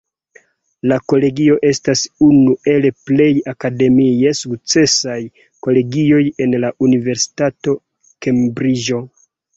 La Kolegio estas unu el plej akademie sukcesaj kolegioj en la Universitato Kembriĝo.